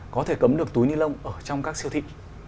có thể cấm được túi nilon ở trong các siêu thị